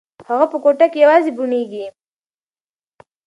هغه په کوټه کې یوازې بڼیږي.